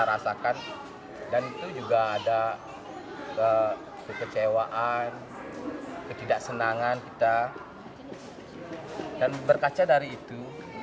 rasakan dan itu juga ada kekecewaan ketidaksenangan kita dan berkaca dari itu